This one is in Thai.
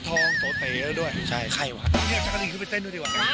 แต่งตัวหน้าหลวนลาม